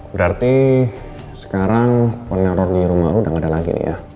berarti sekarang peneror di rumah lo udah gak ada lagi nih ya